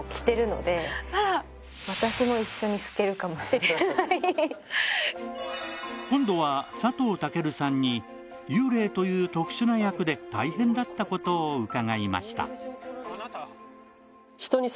でもとかって言って今度は佐藤健さんに幽霊という特殊な役で大変だったことを伺いました